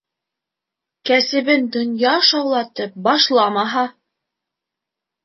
— Кәсебен донъя шаулатып башламаһа!